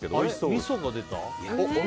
あ、みそが出た。